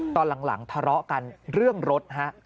ตอนหลังทะเลาะกันเรื่องรถฮะ